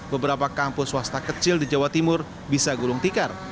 beberapa kampus swasta kecil di jawa timur bisa gulung tikar